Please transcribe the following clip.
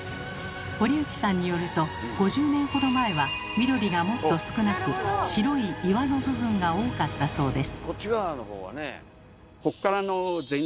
堀内さんによると５０年ほど前は緑がもっと少なく白い岩の部分が多かったそうです。